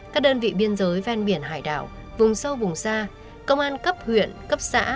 các đơn vị biên giới ven biển hải đảo vùng sâu vùng xa công an cấp huyện cấp xã